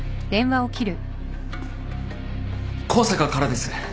向坂からです。